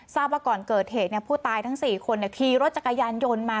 ทราบว่าก่อนเกิดเหตุผู้ตายทั้ง๔คนขี่รถจักรยานยนต์มา